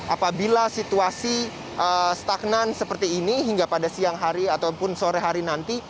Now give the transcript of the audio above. apabila situasi stagnan seperti ini hingga pada siang hari ataupun sore hari nanti